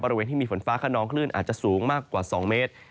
บริเวณที่มีฝนฟ้าขนองคลื่นอาจจะสูงมากกว่า๒เมตร